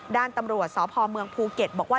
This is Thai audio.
ด้านตำรวจสพเมืองภูเก็ตบอกว่า